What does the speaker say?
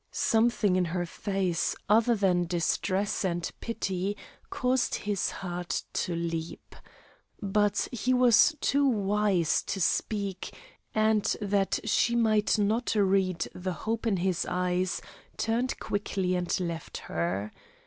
Something in her face, other than distress and pity, caused his heart to leap. But he was too wise to speak, and, that she might not read the hope in his eyes, turned quickly and left her.